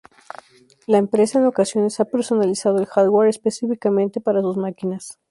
La empresa en ocasiones ha personalizado el hardware específicamente para sus máquinas.